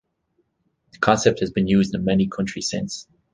The concept has been used in many countries since.